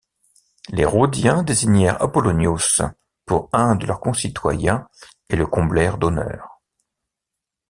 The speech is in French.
Les Rhodiens désignèrent Apollonios pour un de leurs concitoyens et le comblèrent d’honneurs.